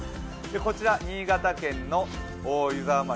こちら新潟県の湯沢町